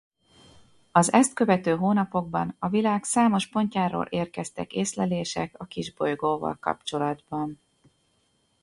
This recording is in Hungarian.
Az ezt követő hónapokban a világ számos pontjáról érkeztek észlelések a kisbolygóval kapcsolatban.